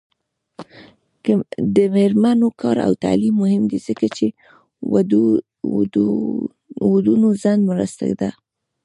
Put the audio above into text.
د میرمنو کار او تعلیم مهم دی ځکه چې ودونو ځنډ مرسته ده